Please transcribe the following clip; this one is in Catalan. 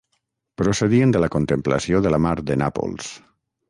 Procedien de la contemplació de la mar de Nàpols.